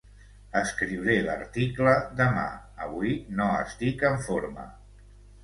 Escriuré l'article demà: avui no estic en forma.